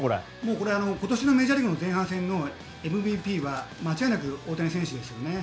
これは今年のメジャーリーグの前半戦のＭＶＰは間違いなく大谷選手ですよね。